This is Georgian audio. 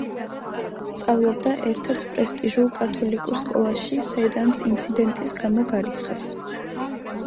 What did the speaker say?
სწავლობდა ერთ-ერთ პრესტიჟულ კათოლიკურ სკოლაში, საიდანაც ინციდენტის გამო გარიცხეს.